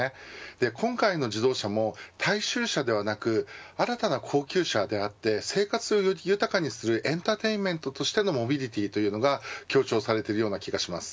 今回の自動車も大衆車ではなく新たな高級車であって生活をより豊かにするエンターテインメントとしてのモビリティというのが強調されています。